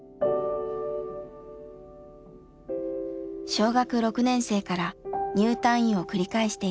小学６年生から入退院を繰り返していた陽香さん。